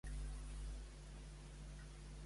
S'ha traduït a l'espanyol?